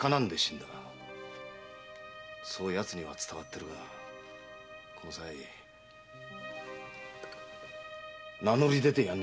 そう奴には伝わってるがこの際名乗り出てやらないか？